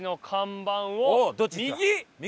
右！